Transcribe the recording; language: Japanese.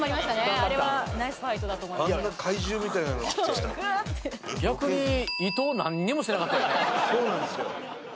あんな怪獣みたいなのが来たら逆にそうなんですよ